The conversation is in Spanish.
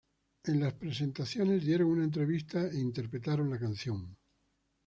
En las presentaciones dieron una entrevista e interpretaron la canción.